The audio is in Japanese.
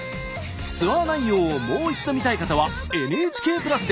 ツアー内容をもう一度見たい方はＮＨＫプラスで。